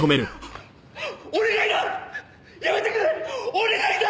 お願いだ！